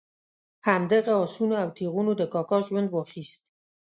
همدغه آسونه او تیغونه د کاکا ژوند واخیست.